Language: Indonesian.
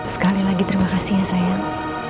sekali lagi terima kasih ya sayang